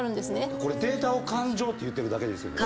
これデータを感情って言うてるだけですよね。